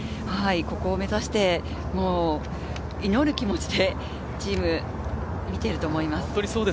ここを目指して祈る気持ちでチームは見ていると思います。